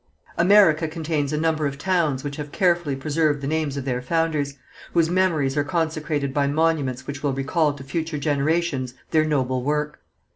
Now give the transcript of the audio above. America contains a number of towns which have carefully preserved the names of their founders, whose memories are consecrated by monuments which will recall to future generations their noble work.